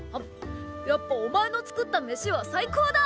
やっぱお前の作ったメシは最高だ。